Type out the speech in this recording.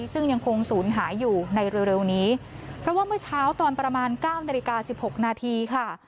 ซึ่งยังคงศูนย์หายอยู่ในเร็วนี้เพราะว่าเมื่อเช้าตอนประมาณเก้านาฬิกาสิบหกนาทีค่ะ